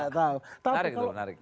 tarik dulu tarik